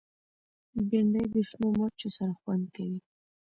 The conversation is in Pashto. بېنډۍ د شنو مرچو سره خوند کوي